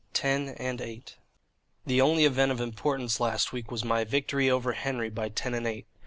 TEN AND EIGHT The only event of importance last week was my victory over Henry by ten and eight.